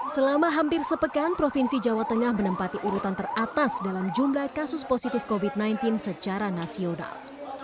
selama hampir sepekan provinsi jawa tengah menempati urutan teratas dalam jumlah kasus positif covid sembilan belas secara nasional